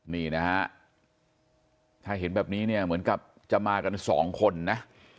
นี่นะฮะถ้าเห็นแบบนี้เนี่ยเหมือนกับจะมากันสองคนนะ